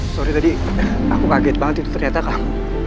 sorry tadi aku kaget banget itu ternyata kah